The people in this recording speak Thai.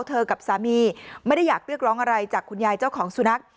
กับสามีไม่ได้อยากเรียกร้องอะไรจากคุณยายเจ้าของสุนัข